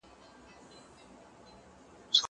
کېدای سي انځور تاريک وي!؟